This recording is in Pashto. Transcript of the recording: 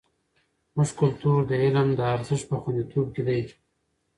زموږ کلتور د علم د ارزښت په خوندیتوب کې دی.